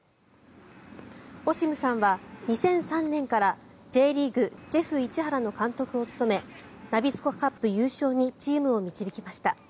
オシムさんは２００３年からＪリーグ、ジェフ市原の監督を務めナビスコカップ優勝にチームを導きました。